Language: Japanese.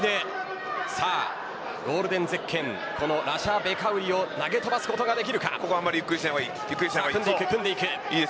ゴールデンゼッケンのラシャ・ベカウリを投げ出すことができるか。